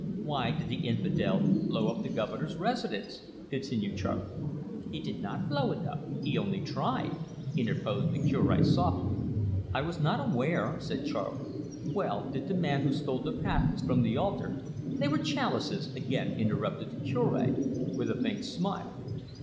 Why did the infidel blow up the Governor's residence?" continued Charley. "He did not blow it up, he only tried," interposed the Cure softly. "I was not aware," said Charley. "Well, did the man who stole the patens from the altar " "They were chalices," again interrupted the Cure, with a faint smile.